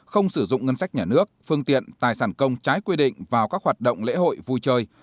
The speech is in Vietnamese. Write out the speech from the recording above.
không sử dụng ngân sách nhà nước phương tiện tài sản công trái quy định vào các hoạt động lễ hội vui chơi